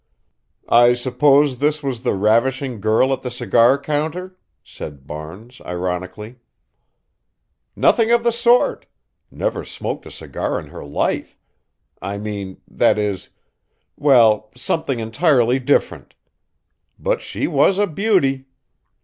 "I suppose this was the ravishing girl at the cigar counter?" said Barnes, ironically. "Nothing of the sort never smoked a cigar in her life I mean, that is, well, something entirely different. But she was a beauty!